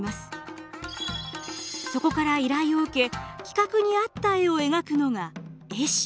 そこから依頼を受け企画に合った絵を描くのが絵師。